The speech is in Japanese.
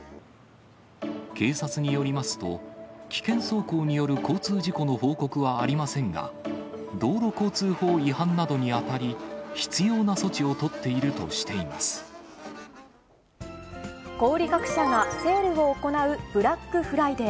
警察によりますと、危険走行による交通事故の報告はありませんが、道路交通法違反などに当たり、必要な措置を取っているとしてい小売り各社がセールを行うブラックフライデー。